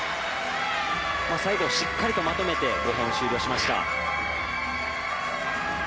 最後、しっかりとまとめて５本、終了しました。